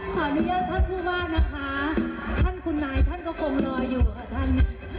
ขออนุญาตท่านผู้ว่านะคะท่านคุณนายท่านก็คงรออยู่ค่ะท่าน